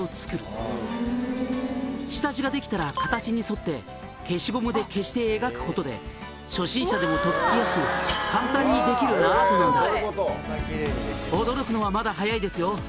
「下地が出来たら形にそって消しゴムで消して描くことで初心者でもとっつきやすく簡単にできるアートなんだ」